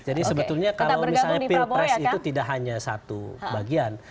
jadi sebetulnya kalau misalnya pks itu tidak hanya satu bagian